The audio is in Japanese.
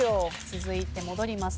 続いて戻ります。